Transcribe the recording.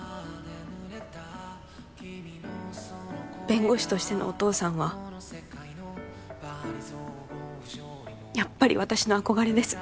弁護士としてのお父さんはやっぱり私の憧れです